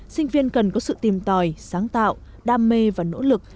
sinh viên cần có sự tìm tòi sáng tạo đam mê và nỗ lực